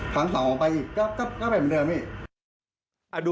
ครั้งสองผมไปอีกก็เหมือนเดิมเนนี่ย